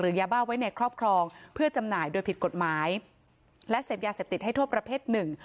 ยาบ้าไว้ในครอบครองเพื่อจำหน่ายโดยผิดกฎหมายและเสพยาเสพติดให้โทษประเภทหนึ่ง